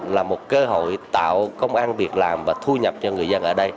là một cơ hội tạo công an việc làm và thu nhập cho người dân ở đây